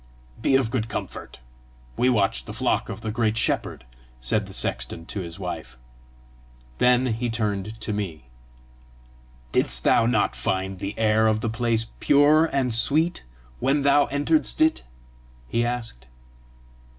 "Be of good comfort; we watch the flock of the great shepherd," said the sexton to his wife. Then he turned to me. "Didst thou not find the air of the place pure and sweet when thou enteredst it?" he asked.